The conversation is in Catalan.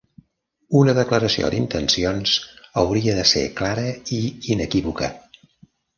Una declaració d'intencions hauria de ser clara i inequívoca.